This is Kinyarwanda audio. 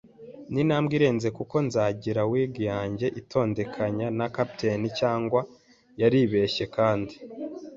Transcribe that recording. n'intambwe irenze, kuko nzagira wig yanjye itondekanya na capitaine cyangwa naribeshye! Kandi